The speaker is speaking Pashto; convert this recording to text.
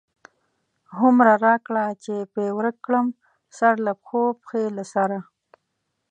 هومره راکړه چی پی ورک کړم، سر له پښو، پښی له سره